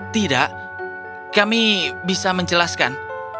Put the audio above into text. tidak kami bisa menjelaskan